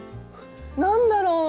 何だろう？